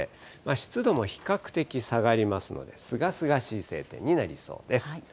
湿度も比較的下がりますので、すがすがしい晴天になりそうです。